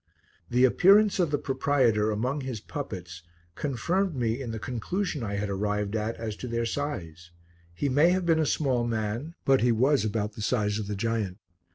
The appearance of the proprietor among his puppets confirmed me in the conclusion I had arrived at as to their size; he may have been a small man, but he was about the size of the giant.